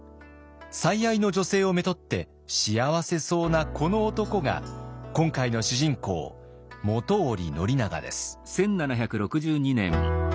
最愛の女性をめとって幸せそうなこの男が今回の主人公本居宣長です。